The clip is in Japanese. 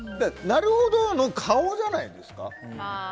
なるほどの顔じゃないですか。